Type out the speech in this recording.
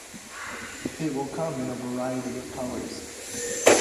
It will come in a variety of colors.